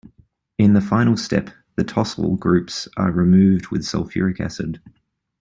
In the final step the tosyl groups are removed with sulfuric acid.